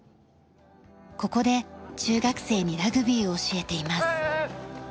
ここで中学生にラグビーを教えています。